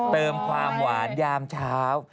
เติมความหวานยามเช้า